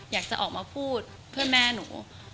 อยากจะออกมาพูดเพื่อแม่หนู